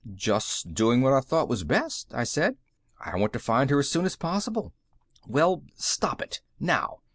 "Just doing what I thought was best," I said. "I want to find her as soon as possible." "Well, stop it! Now!